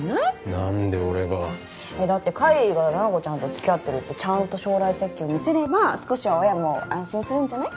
何で俺がだって浬が七子ちゃんと付き合ってるってちゃんと将来設計を見せれば少しは親も安心するんじゃない？